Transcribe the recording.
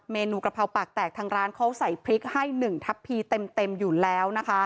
เมนูกะเพราปากแตกทางร้านเขาใส่พริกให้๑ทัพพีเต็มอยู่แล้วนะคะ